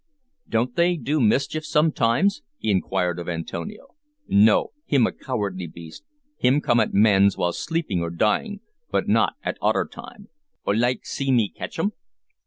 "Don't they do mischief sometimes?" he inquired of Antonio. "No; him a cowardly beast. Him come at mans when sleepin' or dyin', but not at oder time. 'Oo like see me catch um?"